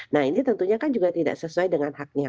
nah ini tentunya kan juga tidak sesuai dengan haknya